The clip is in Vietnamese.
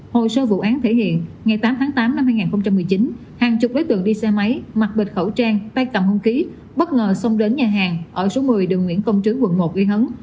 hồi sơ vụ án thể hiện ngày tám tháng tám năm hai nghìn một mươi chín hàng chục đối tượng đi xe máy mặc bệt khẩu trang tay cầm hung ký bất ngờ xông đến nhà hàng ở số một mươi đường nguyễn công trứ quận một ghi hấn